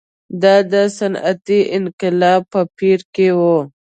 دا د صنعتي انقلاب په پېر کې و.